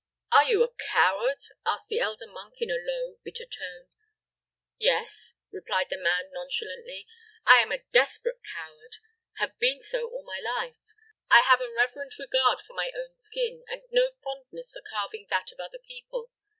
"Are you a coward?" asked the elder monk, in a low, bitter tone. "Yes," replied the man, nonchalantly. "I am a desperate coward have been so all my life. I have a reverent regard for my own skin, and no fondness for carving that of other people.